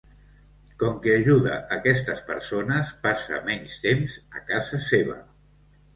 Com que ajuda aquestes persones, passa menys temps a casa seva.